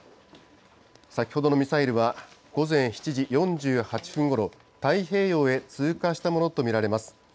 先ほどのミサイルは、午前７時４８分ごろ、太平洋へ通過したものと見られます。